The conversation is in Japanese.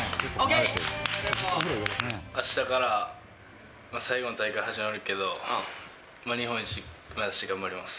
あしたから、最後の大会始まるけど、日本一目指して頑張ります。